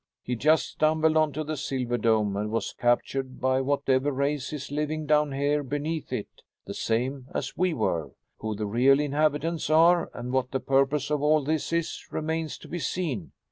He just stumbled on to the silver dome and was captured by whatever race is living down here beneath it, the same as we were. Who the real inhabitants are, and what the purpose of all this is, remains to be seen."